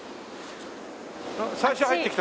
最初入ってきた水槽？